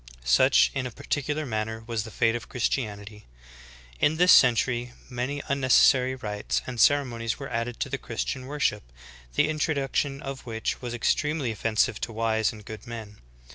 Such in a particular manner was the fate of Christianity. In this century many unnecessary rites and ceremonies were added to the Christian worship, the in troduction of which was extremely offensive to wise and good men.